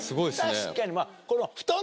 確かに。